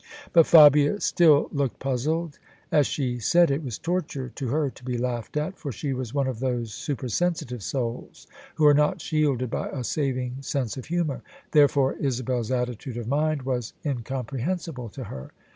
But Fabia still looked puzzled. As she said, it was torture to her to be laughed at, for she was one of those super sensitive souls who are not shielded by a saving sense of humour; therefore Isabel's attitude of mind was incompre hensible to her.